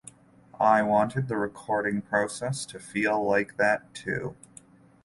I wanted the recording process to feel like that too.